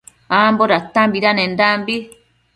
Ambo datanendanbi